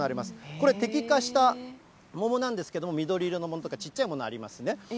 これ、摘果した桃なんですけども、緑色の桃とかちっちゃいものありますね。